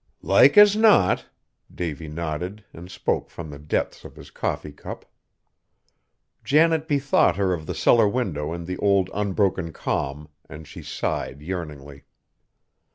"Like as not," Davy nodded, and spoke from the depths of his coffee cup. Janet bethought her of the cellar window and the old unbroken calm, and she sighed yearningly.